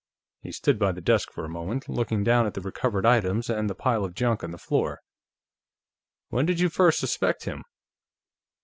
He stood by the desk for a moment, looking down at the recovered items and the pile of junk on the floor. "When did you first suspect him?"